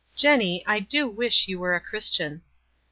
"Jenny, I do wish you were a Christian